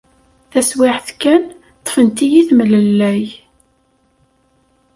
Taswiɛt kan, ṭṭfent-iyi temlellay.